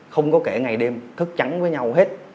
không có kể ngày đêm thức trắng với nhau hết